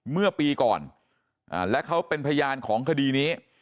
เมื่อปีก่อนและเขาเป็นพยานของคดีนี้